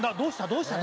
どうした？